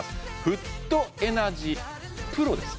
フットエナジーＰＲＯです